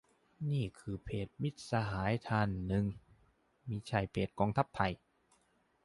เพราะนี่คือเพจมิตรสหายท่านหนึ่งมิใช่เพจกองทัพไทย